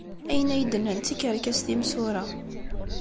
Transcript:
Ayen ay d-nnan d tikerkas timsura.